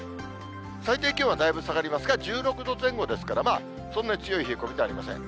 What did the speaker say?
最低気温はだいぶ下がりますが、１６度前後ですから、そんなに強い冷え込みではありません。